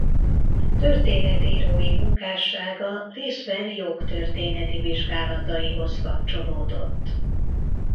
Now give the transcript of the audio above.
Történetírói munkássága részben jogtörténeti vizsgálataihoz kapcsolódott.